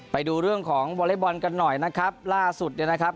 ไปดูเรื่องของวอเล็กบอลกันหน่อยนะครับล่าสุดเนี่ยนะครับ